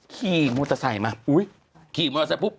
คี่มอเตอร์ไซค์มาคี่มอเตอร์ไซค์ปุ๊บ